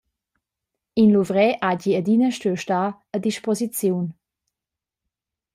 In luvrer hagi adina stuiu star a disposiziun.